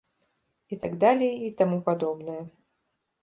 І так далей і таму падобнае.